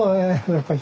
やっぱし。